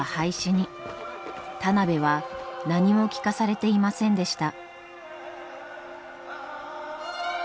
田邊は何も聞かされていませんでした。